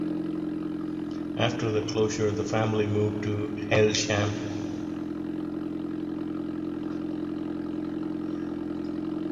After the closure the family moved to Hailsham.